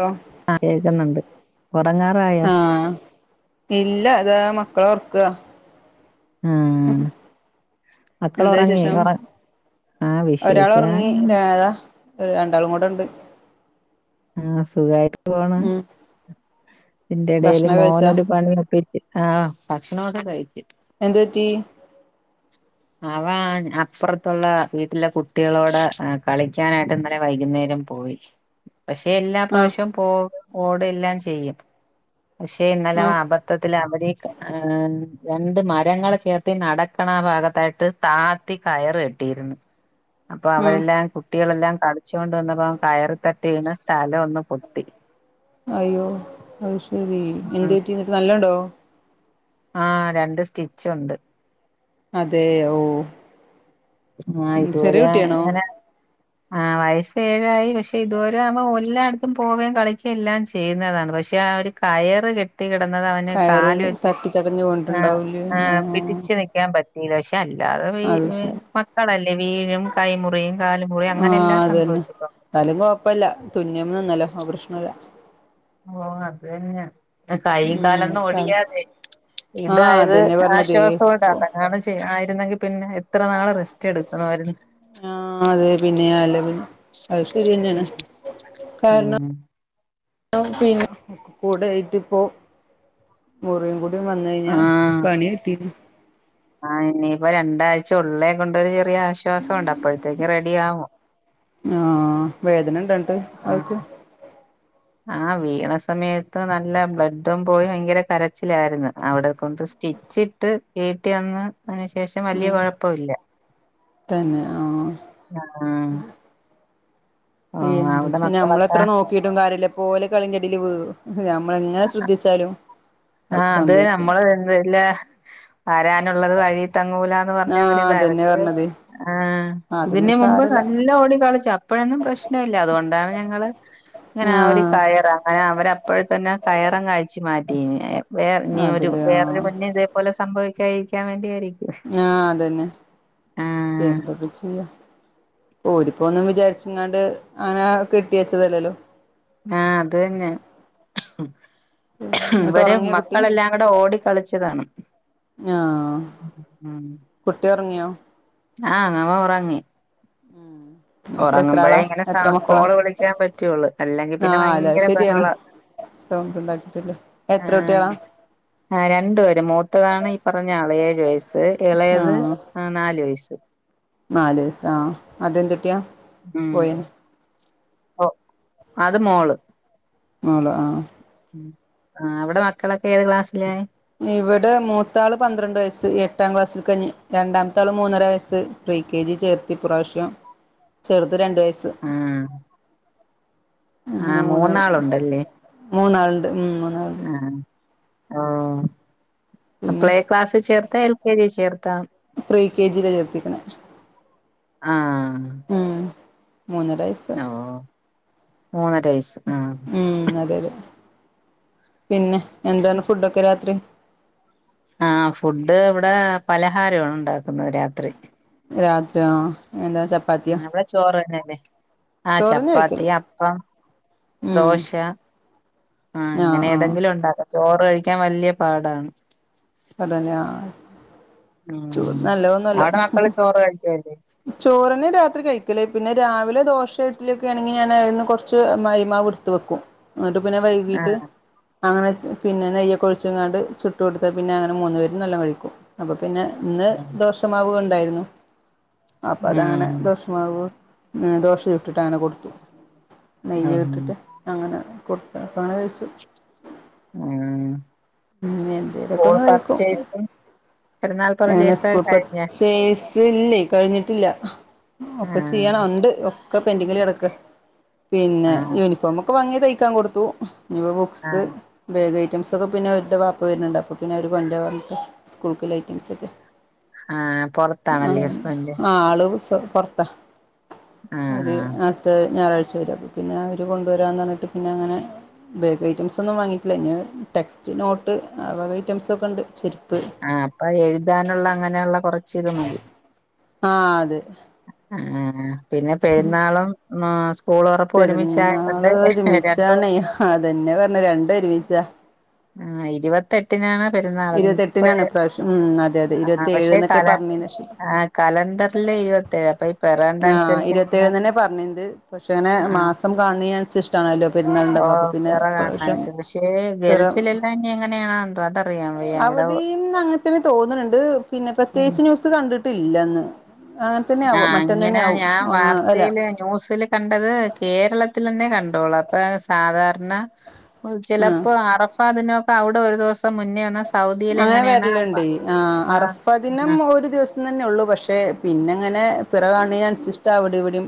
Law ആഹ് കേക്ക്ന്നൊണ്ട് ആഹ് ഇല്ല ഇതാ മക്കളെ ഒർക്ക ആഹ്. മക്കള് എന്താ ഉറങ്ങി വിശേഷം. ഉറ ആഹ് ഒരാള് വിശേഷം ഒറ്ങ്ങി. ഒരാള് താ. ഒരു രണ്ടാളും കൂടെ ണ്ട്. ആഹ് സുഖായിട്ട് പോണ്. ഉം ഇതിന്റെടേല് ഭക്ഷണം കഴിച്ചാ മോനൊരു പണി ഒപ്പി. ആഹ് ഭക്ഷണൊക്കെ കഴിച്ച്. എന്ത് പറ്റീ. അവ അപ്പുറത്തുള്ള വീട്ടിലെ കുട്ടികളോട് കളിക്കാനായിട്ട് ഇന്നലെ വൈകുന്നേരം പോയി. പക്ഷെ എല്ലാ ആഹ് പ്രാവശ്യവും പോവും ഓടും എല്ലാം ചെയ്യും. പക്ഷെ ഇന്നലെ അവ ആഹ് അപ. പത്തത്തിൽ അവര് ഏഹ് രണ്ട് മരങ്ങൾ ചേർത്ത് നടക്കണ ആഹ് ഭാഗ. ന്നട്ട് താത്തി കയറ് കെട്ടിയിരുന്നു. അപ്പൊ ആഹ് അവരെല്ലാം. കുട്ടികളെല്ലാം കളിച്ചുണ്ട് നിന്നപ്പോ കയറി തട്ടി വീണ് തല ഒന്ന് പൊട്ടി. അയ്യോ. അയ്ശരി. എന്തു ആഹ് പറ്റി ന്നിട്ട് നല്ലോണ്ടോ? ആഹ് രണ്ട് സ്റ്റിച്ച് ണ്ട്. അതെയോ ഓഹ്. ആഹ് കുട്ടിയാണോ ഇതുവരെങ്ങനെ. ആഹ് വയസ്സ് ഏഴായി. പക്ഷെ ഇതുവരെ ആവുമ്പം എല്ലായിട്ത്തും പോവേം കളിക്കേം എല്ലാം ചെയ്യുന്നതാണ്. പക്ഷെ ആഹ് ഒരു കയറ് കെട്ടി കിടന്നത് അവന് കയറ് കാല് വെച്ച്. തട്ടി തടഞ്ഞു ആഹ് വീണിട്ടുണ്ടാവൂലേ ആഹ്. പിടിച്ചു നിക്കാൻ പറ്റീല്ല. പക്ഷെ അല്ലാതെ വേയ് അത് വേ ശരി മക്കളല്ലേ വീഴും കൈമുറിയും കാലുമുറിയും അങ്ങനെ എല്ലാം സംഭവിക്കുംട്ടോ. ന്നാലും കൊഴപ്പല്ല. തുന്ന്മ്മ നിന്നല്ലോ. അത് പ്രശ്നല്ല. ഓഹ് അത് തന്നെ. കയ്യും കാലൊന്നും ഉം ഒടിയാതെ ആഹ് ഇതായത് അതന്നെ പറഞ്ഞത് ആശ്വാസകൊണ്ട. ഇപ്പൊ അതങ്ങാണ്. ചെ ആയിരുന്നെങ്കി പിന്നെ എത്ര നാള് റെസ്റ്റ് എടുക്കണമായിരുന്നു. ആഹ് അതെ പിന്നെ. അല്ല പിന്നെ. അത് ശരിന്നെയാണ്. കാരണം. ഉം [unintelligible] പിന്നെ കൂടെ ആയിട്ട് പ്പോ. മുറിം കൂടി വന്നഴിഞ്ഞാ ആഹ് പണി കിട്ടിനി. ആഹ് ഇനിപ്പോ രണ്ടാഴ്ച ഉള്ളേ കൊണ്ടരു ചെറിയ ആശ്വാസം ഉണ്ട്. അപ്പോത്തേക്ക് റെഡി ആവും. ആഹ് വേദന ഇണ്ടണ്ട് ആ ആഹ് ൾക്ക്. ആഹ് വീണ സമയത്ത് നല്ല ബ്ലഡും പോയി ഭയങ്കര കരച്ചിലായിരുന്നു. അവിടെ കൊണ്ട് സ് സ്റ്റിച്ചിട്ട് വീട്ടി വന്ന് അതിന് ശേഷം വലിയ ഉം കുഴപ്പമില്ല. തന്നെ ആഹ്. ആഹ്.. ഉം എന്താച്ച മക്കളൊക്കെ നമ്മളെത്ര നോക്കിട്ടും കാര്യല്ല്യ പോലെ കളിന്റെടീൽ വീ കും. അതെ നമ്മെളങ്ങനെ ശ്രദ്ധിച്ചാലും. ഒക്കെ ആഹ് അത് സംഭവിക്കും നമ്മള് എന്നല്ല. വരാനുള്ളത് വഴി തങ്ങൂലാന്ന് പറഞ്ഞ ആഹ് ഒര്താണ്. അതന്നെ പറഞ്ഞത് ആഹ് അതൊന്നും ഇതിന് മുമ്പ് സാരല്ല നല്ല ഓടികളിച. പ്പോഴൊന്നും പ്രശ്ന ല്ല. അതുകൊണ്ടാണ് ഞങ്ങള് ഇങ്ങനെ ആഹ് ഒരു കയറ്. അങ്ങനെ അവര. അപ്പോഴത്തന്നെ ആഹ് കയറങ്ങ് അഴിച്ചുമാറ്റി. വേ ന് ഒരു അതില് ആഹ് വേറൊരുകുഞ്ഞ് ഇതേ. പോലെ സംഭവിക്കായിരിക്കാൻ വേണ്ടിയായിരി. ആഹ് അതന്നെ. ആഹ് എന്തൊപ്പ ചെയ്യ. ഓരിപ്പോ ഒന്നും വിചാരിച്ച്ങ്ങാണ്ട് അങ്ങനെ കെട്ടിവെച്ചതല്ലല്ലോ. ആഹ് അത് തന്നെ. എന്നിട്ട് ഇവര് ഉറങ്ങിയോ കുട്ടി മക്കളെല്ലാം കൂടെ ഓടി കളിച്ചതാണ്. ആഹ് ഉംഹ്. കുട്ടി ഒറ്ങ്ങിയോ? ആഹ് അവ ഒറങ്ങി. ഉംഹ്. പക്ഷേ എത്രാളാ? ഇങ്ങനെ സ എത്ര മക്കളാ? കോള് വിളിക്കാൻ പറ്റുള്ളൂ അല്ലെങ്കിൽ പിന്നെ ആഹ് അല്ല അഹ് ഭയങ്കര ശരിയാണ് ബഹള സൗണ്ട് ഉണ്ടാക്കിയിട്ടില്ലെ എത്ര കുട്ടിയളാ? ആഹ് ആഹ് രണ്ടുപേര് മൂത്തതാണ് ഈ പറഞ്ഞ ആള് ഏഴു വയസ്സ് ഇളയത് ആഹ് നാലു വയസ്സ് നാല് വയസ്സ് ആ അത് എന്തുട്ടിയാ? ഉ അത് മോള് മോള് ആഹ് ഉം ആഹ് അവിടെ മക്കളൊക്കെ ഏത് ക്ലാസ്സില്? ഇവിടെ മൂത്താള് പന്ത്രണ്ട് വയസ്സ് എട്ടാം ക്ലാസ്സിൽക്കാ ഇഞ് രണ്ടാമത്താള് മൂന്നര വയസ്സ് ഫ്രീ കെ ജി ചേർത്തി ഇപ്രാവിശ്യം ചെറുത് രണ്ട് വയസ്സ് ആഹ് അങ്ങനെ ആഹ് മൂന്നാള് മൂന്നാളുണ്ടല്ലേ മൂന്നാള്ണ്ട് ഉം മൂന്നാളുണ്ട് ആഹ് ഓഹോ ആ പിന്നെ പ്ലേ ക്ലാസ് ചേർത്തോ? എൽ കെ ജി ചേർത്താ? പ്രീ കെ ജിയില ചേർത്തിക്കണേ ആഹ് ഉം മൂന്നര വയസ്സ് ഓഹ് മൂന്നര വയസ്സ് ആഹ് ഉം അതെ അതെ പിന്നെ എന്താണ് ഫുഡൊക്കെ രാത്രി? ആഹ് ഫുഡ് ഇവടെ പലഹാരമാണ് ഉണ്ടാക്കുന്നത് രാത്രി രാത്രിയോ ആ എന്താ ചപ്പാ അവിടെ ചോറ് തന്നെയല്ലേ? ആഹ് ചോറിന് കഴിക്കല് ചപ്പാത്തി, അപ്പം, ഉം ദോശ ആഹ് അങ്ങനെ ഏതെങ്കിലും ഒണ്ടാക്കും ചോറ് കഴിക്കാൻ വല്ല്യ പാടാണ് അതെന്നോ ചോറ് ഉം നല്ലതൊന്നും അല്ല അവിടെ മക്കള് ചോറ് കഴിക്കുവല്ലേ ചോറന്നെ രാത്രി കഴിക്കല് പിന്നെ രാവിലെ ദോശ ഇഡിലിയൊക്കെ ആണെങ്കില് ഞാൻ അതിന്ന് കൊറച്ച് മഴ്മാവ് ഇടു ത്ത് വെക്കും എന്നിട്ട് പിന്നെ വൈകീട്ട് ആഹ് അങ്ങനെ പിന്നെ നെയ്യൊക്കെ ഒഴിച്ച്ങ്ങാണ്ട് ചുട്ട് കൊടുക്കും പിന്നെ അങ്ങനെ മൂന്നു പേരും നല്ലോം കഴിക്കും അപ്പൊ പിന്നെ ഇന്ന് ദോഷമാവും ഉണ്ടായിരുന്നു അപ്പൊ അതാണ് ആഹ് ദോഷമാവും ഉം ദോശ ചുട്ടിട്ട് അങ്ങനെ കൊടുക്കും നെയ്യ് ആഹ് ഇട്ടിട്ട് അങ്ങനെ കൊടുത്ത് അപ്പ അങ്ങനെ കഴിച്ചു ആഹ് ഉം എന്തേലൊക്കെ സ്കൂൾ ഒന്ന് കഴിക്കും പർച്ചേസ് പെരുന്നാൾ എങ്ങനെ പർച്ചേസ് ഒക്കെ സ്കൂള് കഴിഞ്ഞ ച്ചേസ് ചെ ഇല്ലേ കഴിഞ്ഞിട്ടില്ല ഒക്കെ ആഹ് ചെയ്യണം ഉണ്ട് ഒക്കെ പെന്റിങ്ങ്ല് കെടക്ക പിന്നെ ആഹ് യൂണിഫോമൊക്കെ വാങ്ങിയത് തയ്ക്കാൻ കൊടുത്തു ഇഞ്ഞ്പ്പൊ ബുക്സ് ആഹ് ബാഗ് ഐറ്റംസൊക്കെ പിന്നെ അവരുടെ പാപ്പ വരുന്നുണ്ട് അപ്പൊ പിന്ന അവര് കൊണ്ടര പറഞ്ട്ട് സ്കൂൾക്ക്ല്ലെ ഐറ്റംസൊക്കെ ആഹ് പൊറത്താണല്ലേ ഹസ്ബൻഡ് ആഹ് ആള് സ് പപ്പ പൊർത്താ ആഹ് ഒരു ആഹ് നാ അട്ത്ത ഞായറഴ്ച വരും അപ്പം പിന്നെ അവര് കൊണ്ടുവരാന്ന് പറഞ്ഞിട്ട് പിന്നങ്ങനെ ബാഗ് ഐറ്റംസൊന്നും വാങ്ങിയിട്ടില്ല ഇഞ്ഞ് ടെക്സ്റ്റ്, നോട്ട്, ആ വക ഐറ്റംസൊക്കെണ്ട് ചെരുപ്പ് ആഹ് അപ്പൊ എഴുതാനുള്ള അങ്ങനെയുള്ള കുറച്ച് ഇത് മതി ആഹ് അതെ ആഹ് പിന്നെ പെരുന്നാളും സ്കൂൾ തൊറപ്പും ഒരുമിച്ചായകൊണ്ട് പെരുന്നാള് രണ്ടും ഒരുമിച്ചാണേ അതെന്നെ പറഞ്ഞെ രണ്ടും ഒരുമിച്ചാ ആഹ് ഇരുപത്തെട്ടിനാണ് പെരുന്നാള് ഇരുപത്തെട്ടിനാണ് ഇപ്രാവിശ്യം ഉം ഉം അതെ അതെ ഇരുപത്തി ഏഴ് എന്നൊക്കെ പറഞ്ഞീന്നെ പക്ഷേ കലണ്ടർല് ഇരുവത്തേഴാ. അപ്പ ആഹ് ഇരുപത്തേഴ്ന്നെന്നെ പറഞ്ഞിൻത്. പക്ഷേ ങ്ങനെ ആഹ് മാസം കാൺണീനൻസര് ട്ടാണല്ലൊ പെരുന്നാള്ണ്ടാവാ, ഓഹ് അപ്പപ്പിന്നെ പിറ കാണുന്ന ഇപ്രാവ്ശ്യം അനുസരിച്ച് പക്ഷേ പിറ ഗൾഫിലെല്ലാം ഇനി എങ്ങനെയാണോ എന്തോ അതറിയാൻ വയ്യ അവിടെ അവിടീന്നങ്ങത്തെന്നെ തോന്ന്ണ് ണ്ട്, പിന്നെ ഉം പ്രത്യേകിച്ച് ന്യൂസ് ത്ത് കണ്ട്ട്ടില്ലന്ന്. അങ്ങൻത്തെന്ന്യാവും മ ആഹ് ഞാൻ വാർത്തേല് ന്യൂസില് കണ്ടത് കേരളത്തിലെന്നേ കണ്ടോള്ളു. അപ്പേ സാധാര്ണ ആഹ് ചിലപ്പോ അറഫാദിനഒക്കെ അവ്ടെ ഒരു ദിവസം മുന്നേ വന്ന സൗദിയിൽ അങ്ങനെ എങ്ങനെയാണ് അപ്പ- വെര്ല്ണ്ടേയ്. ആഹ് ആ അറഫദിനം ആ ഒരു ദിവസം തന്നൊള്ളു പക്ഷേ, പിന്നെങ്ങനെ പിറ കാൺണീനൻസിഷ്ടാ അവിടിവിടിം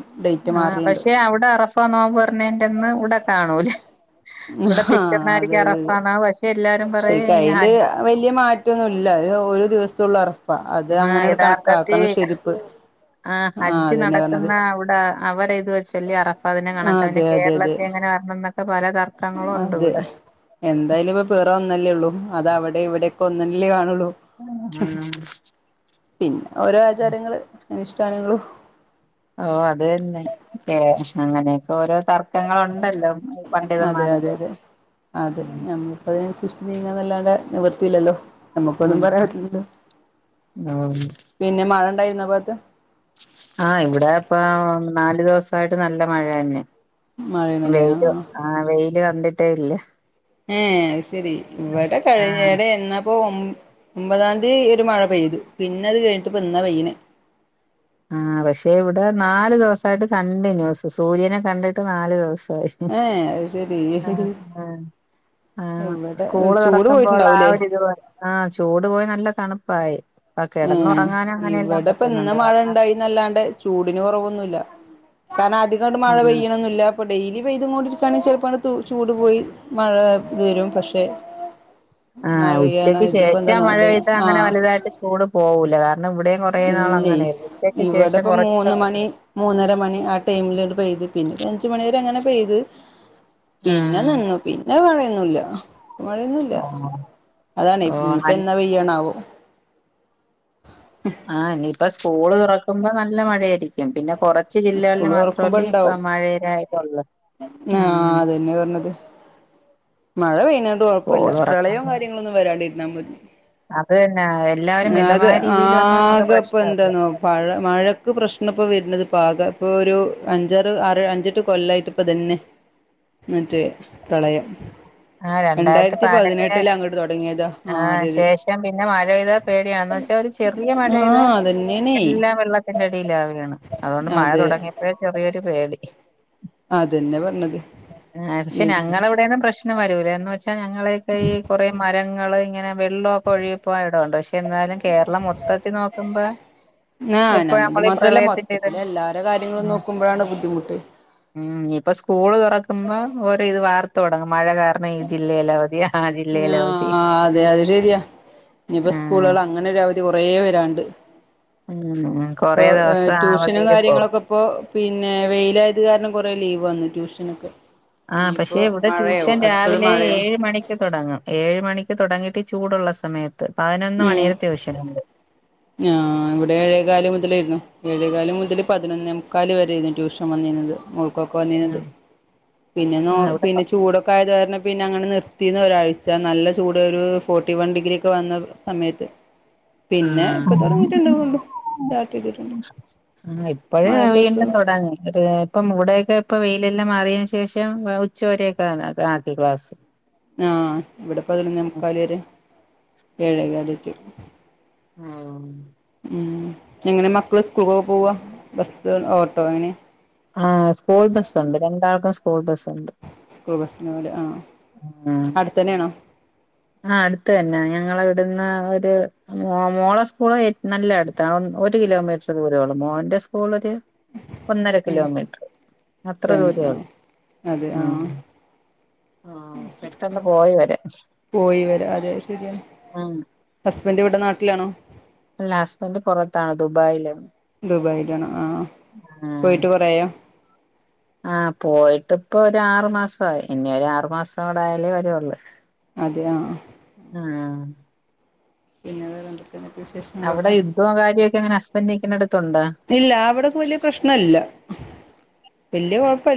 ആഹ് പക്ഷേ അവിടെ അറഫാ നോമ്പ് പർഞ്ഞേൻ്റന്ന് ഇവ്ടെ കാണൂലേ? ഇവിടെ ആ അതെ പിറ്റന്നായിരിക്കും അതെ അതെ അറഫാന്നാ പക്ഷെ, എല്ലാരും ശരിക്ക് പറയും ഈ ഹ അയില് വലിയ മാറ്റൊന്നുല്ല. ഒരു ദിവസൊള്ളു അർഫ് ഫ. അത് ആ അങ്ങനെട് കണക്കാക്കണം ശരിപ്പ് ആഹ് ആ ഹജ്ജ് അതന്നെ നടക്ക്ന്ന പറഞ്ഞത് അവ്ടെ അവര് ഇത് വെച്ചല്ലേ അറഫാദിനം ആ കണക്കാ, കേരള അതെ അതെ അതെ കേരളത്തി എങ്ങനെ വരണംന്നൊക്കെ പല തർക്കങ്ങളുണ്ട്വ്ടെ. എന്തായാലുപ്പൊ പിറ ഒന്നല്ലെള്ളു. അതവടിം ഇവിടെക്കെ ഒന്നെന്നല്ലേ കാണുള്ളൂ. ഉം പിന്നെ ഓരോ ആചാരങ്ങള്, അനിഷ്ഠാനങ്ങളും. ഓഹ് അത് തന്നെ. ഏ അങ്ങനെയൊക്കെ ഓരോ തർക്കങ്ങളുണ്ടല്ലോ. അതെ അതെ പണ്ഡിതന്മാരുടെ അതെ. അതെ ഉം ഞമ്മപ്പതിനൻസര്ച്ച്ട്ട് നീങ്ങാന്നല്ലാതെ നിവൃത്തില്ലല്ലോ. നിവർത്തിയില്ലല്ലോ നമുക്കൊന്നും പറയാൻ പറ്റില്ലല്ലൊ. ഉം പിന്നെ മഴണ്ടായ്ര്ന്നോ ആ ഭാഗത്ത്? ആഹ് ഇവിടേ ഇപ്പോ നാലു ദിവസായിട്ട് നല്ല മഴ തന്നെ. മഴയാണല്ലേ ആ വെയില് ആ. ആഹ് വെയില് കണ്ടിട്ടേ ഇല്ല. ഏഹ് അത് ശെരി. ഇവടെ ആ കഴിഞ്ഞേടെ എന്നാപ്പോ ഒം ഒമ്പതാംതി ഒരു മഴ പെയ്ത്. പിന്നെ അത് കഴ്ഞ്ഞ്ട്ട്പ്പന്നാ പെയ്യ്ണ്. ആഹ് പക്ഷേ ഇവിടെ, നാല് ദിവസായിട്ട് കണ്ടിന്യൂസ്. സൂര്യനെ കണ്ടിട്ട് നാല് ദിവസായി. ഉം ഏ അത് ശരി ആഹ് ആഹ്. ആഹ് ഇവിടെ സ്കൂള് ചൂട് തുറക്കുമ്പോള്ള ആ പോയിട്ടുണ്ടാവൂലേ ഒരിത് [unintelligible] ആഹ് ചൂട് പോയി നല്ല തണുപ്പായി. ഇപ്പ ഉം കെടന്നുറങ്ങാനും അങ്ങനെയെല്ലാം പറ്റുന്നുണ്ട്, കാരണം ന്നല്ലാണ്ട് ചൂടിന് കൊറവൊന്നൂല്ല. കാരണം അധികാണ്ട് മഴ ആ പെയ്യ്ണൊന്നുല്ല ഇപ്പൊ ഡെയ്ലി പെയ്തും കോണ്ടിരിക്കാണെങ്കി ചെൽപ്പാണ് തു ചൂട് പോയി മഴ ത് വെരും പക്ഷെ മഴ ആഹ് പെയ്യാണ് ഉച്ചക്ക് ഇതിപ്പോ ശേഷം എന്താന്നോ മഴ ഡെയ് പെയ്താ അങ്ങനെ ആഹ് വലുതായിട്ട് ചൂട് പോവൂല കാരണം, ഇവിടേം കൊറേ ഇല്ലേ നാളങ്ങനായ്ര്ന്നു. ഉച്ചക്ക് ഇവിടെ ശേഷം ഇപ്പ കുറച്ചൊ മൂന്ന് മണി [unintelligible] മൂന്നര മണി ആ ടൈമില്ങട് പെയ്ത്. പിന്നൊര് അഞ്ച് മണി വരെ അങ്ങനെ പെയ്ത്. പിന്നെ ആഹ് നിന്നു. പിന്നെ മഴൊന്നുല്ല. മഴൊന്നുല്ല. ഓഹ് അതാണേ ഓഹ് ഇഞ്ഞ്പ്പൊ നൽ എന്നാ പെയ്യാണാവോ. ആഹ് ഇനിയിപ്പ സ്കൂള് തുറക്കുമ്പം നല്ല മഴയായിരിക്കും. പിന്നെ കൊറെ ച്ച് ജില്ലകളിൽ സ്കൂള് തുറക്കുമ്പോ മാത്രല്ലേ ഇപ്പ ഇണ്ടാവും മഴേരാ ഇതൊള്ളു. ഊം ആഹ് അതന്നെ പറഞ്ഞത് മഴ പെയ്യ്ണോണ്ട് കൊഴ്പ്പല്ല. പ്രളയും തുറക്കുമ്പോ കാര്യങ്ങളൊന്നും വരാണ്ടിരുന്നാ മതി. അത് തന്നെ എല്ലാവരും ഏ അത് മിതമായ രീതിയിൽ വന്നാ നമുക്ക് പ്രശ്നമില്ല ആകപ്പെന്താന്നോ പഴ മഴക്ക് പ്രശ്നപ്പൊ വെര്നത് പാക ഇപ്പൊ ഒരു അഞ്ചാറ് ആറ് അഞ്ചെട്ട് കൊല്ലായ്ട്ട് പ്പതെന്നെ മറ്റേ പ്രളയം. ആഹ് രണ്ടായിരത്തി പതിനെട്ട്ന് പതിനെട്ടില് അങ്ങോട്ട് തുടങ്ങിയതാ ആ ആഹ് അതെ അതെ ശേഷം പിന്നെ മഴ പെയ്താ പേടിയാന്ന് വെച്ചാ ഒരു ചെറിയ മഴെയ്താ ആഹ് അതന്നെയാണേ എല്ലാം വെള്ളത്തിന്റെ അടിയിലാ വുകയാണ് അതുകൊണ്ട് മഴ അതെ തുടങ്ങിയ ഇ ചെറിയൊരു പേടി അതന്നെ പറഞ്ഞത് പക്ഷെ ഞങ്ങട വിടെന്ന പ്രശ്ന പ്രശ്നം വരൂല എന്ന് വെച്ചാൽ ഞങ്ങളൊക്കെ ഈ കുറെേ മരങ്ങള് ഇങ്ങനെ വെള്ളമൊക്കെ ഒഴുകി പോകാനിടമുണ്ട് പക്ഷെ എന്നാലും കേരളം മൊത്തത്തിൽ നോക്കുമ്പോ ആഹ് എപ്പഴും നമ്മത് നമ്മളീ മാത്രല്ല പ്രളയത്തിന്റെ ഇത് മൊത്തത്തില എല്ലാരും കാര്യങ്ങളും ഉം നോക്കുമ്പോഴാണ് ബുദ്ധിമുട്ട് ഉം ഇനിയിപ്പോ സ്കൂള് തുറക്കുമ്പോ ഓരോ ഇത് വാർത്ത തുടങ്ങും മഴ കാരണം ഈ ജില്ലൽ അവതി ആ ജില്ലയില അവവതി ആഹ് അതെ ആഹ അങ്ങനൊരവധി കുറേ വരാണ്ട് ഉം ഇപ്പൊ കൊറേ ദിവസം ട്യൂഷനും അവധിയില് പോവും കാര്യങ്ങളൊക്കെ ഇപ്പൊ പിന്നെ വെയിലായത് കാരണം കുറേ ലീവ് വന്നു ട്യൂഷനൊക്കെ ആഹ ഇനിയിപ്പോ പക്ഷെ ഇവിടെ മഴയാവും ട്യൂഷൻ അടുത്തത് രാവിലെ അല്ലെ മഴയാണ് ഏഴ് മണിക്ക് തുടങ്ങും ഏഴ് മണിക്ക് തുടങ്ങിയിട്ട് ചൂടുള്ള സമയത്ത് ത്ത് പതിനൊന്ന് മണിയരെ ട്യൂഷനുണ്ട് ആ് ഇവിടെ ഏഴേകാല് മുതലായിരുന്നു ഏഴേകാല് മുതൽ പതിനൊന്നെ മുക്കല് വരായിരുന്നു ട്യൂഷൻ വന്നീണുന്നത് വക്കൊക്കെ ആ വന്നീനുന്നത് പിന്നെന്നോ ആ ഇവിടെ പ പിന്നെ ചൂടൊക്കെ ആയത് കാരണം പിന്നെ അങ്ങനെ നിർത്തിന്ന് ഒരാഴ്ച നല്ല ചൂട് ഒരു ഫോർട്ടി വൺ ഡിഗ്രി ഒക്കെ വന്ന സമയത്ത് ആ പിന്നെ ഇപ്പൊ തുടങ്ങിട്ടുണ്ട് വീണ്ടും സ്റ്റാർട്ട് ചെയ്തിട്ടുണ്ട് ആ ഇപ്പഴും മഴക്കത്ത് വീണ്ടും തുടങ്ങി ഒരു ഇപ്പം ഇവിടെയൊക്കെ ഇപ്പ വെയിലെല്ലാം മാറിയതിന് ശേഷം ഉച്ചവരെയൊക്കെ ആക്കി ക്ലാസ്സ് ആ ഇവിടെ പതിനൊന്നെ മുക്കാല് വരെ ഏഴെകാലേറ്റ് ആ ഊ മ് എങ്ങനെ മക്കള് സ്കൂളൊക്കെ പോവ ബസ് ഓട്ടോന് ആ സ്കൂൾ ബസ്സുണ്ട് രണ്ടാൾക്കും സ്കൂൾ ബസ്സുണ്ട് സ്കൂൾ ബസ്സിന് പോവല് ആ ആ അടുത്തന്നെയാണോ ആ അടുത്ത് തന്നെ ഞങ്ങള ഇവിടുന്ന് ഒരു മോ മോളെ സ്കൂള് നല്ല അടുത്താണ് ഒരു കിലോമീറ്റർ ദൂരേ ഉള്ളൂ മോന്റെ സ്കൂൾ ഒര് ഒന്നര ഉം കിലോമീറ്റർ അത്ര തന്നെ ദൂരേള്ളൂ ആഹ് അതെ ആ ആ പെട്ടെന്ന് പോയി വരെ പോയിവരാ അതെ ശരിയാണ് ആ ഹസ്ബൻഡ് ഇവിടെ നാട്ടിലാണോ അല്ല ഹസ്ബന്റ് പുറത്താണ് ദുബായില് ദുബായിലാണ് ആ പോയിട്ട് കൊറേയായോ ആ പോയിട്ട് ഇപ്പൊ ഒരാറു മാസായി ഇനി ഒരു ആറു മാസൂടെ ആയാലേ വരുള്ളൂ അതെയാ ആ ആ പിന്നെ വേറെന്തൊക്കെയാണ് വിശേഷം അവിടെ യുദ്ധോം കാര്യോക്കെങ്ങനെ ഹസ്ബന്റ് നിക്കുന്നിടത്തുണ്ടോ ഇല്ല അവിടക്കെ വലിയ പ്രശ്നല്ല വല്യ കുഴപ്പല്ല